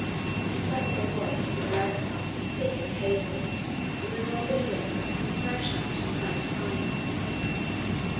That day was for the most part thick and hazy, with a northerly wind, and snow showers from time to time.